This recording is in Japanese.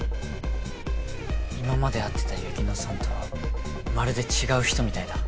今まで会ってた雪乃さんとはまるで違う人みたいだ。